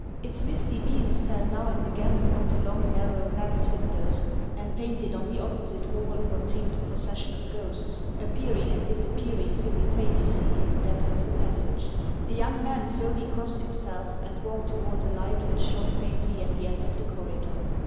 Its misty beams fell now and again upon the long, narrow glass windows, and painted on the opposite wall what HAXS OF ICELAND. 53 seemed a procession of ghosts, appearing and disappearing simultaneously in the depths of the passage. The young man slowly crossed himself, and walked toward a light which shone faintly at the end of the corridor.